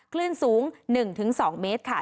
คลื่นสูง๑๒เมตรค่ะ